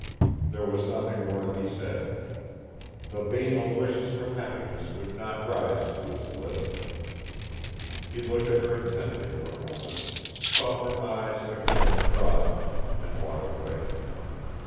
There was nothing more to be said. The banal wishes for happiness would not rise to his lips. He looked at her intently for a moment, saw her eyes again drop, and walked away.